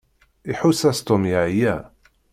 Iḥuss-as Tom yeɛya.